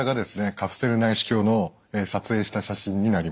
カプセル内視鏡の撮影した写真になります。